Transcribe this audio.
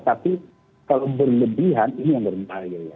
tapi kalau berlebihan ini yang beruntung